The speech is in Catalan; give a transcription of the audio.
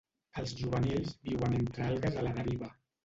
Els juvenils viuen entre algues a la deriva.